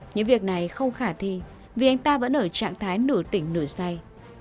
những việc này không khả thi vì anh ta vẫn ở trạng thái nửa tỉnh nửa say